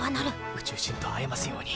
宇宙人と会えますように！